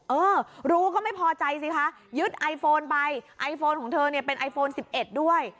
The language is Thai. เออรู้ก็ไม่พอใจสิคะยึดไอโฟนไปไอโฟนของเธอเนี่ยเป็นไอโฟน๑๑ด้วย